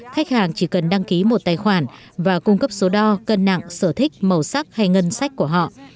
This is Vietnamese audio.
khách hàng chỉ cần đăng ký một tài khoản và cung cấp số đo cân nặng sở thích màu sắc hay ngân sách của họ